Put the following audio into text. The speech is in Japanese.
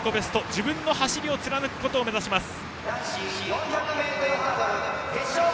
自分の走りを貫くことを目指します。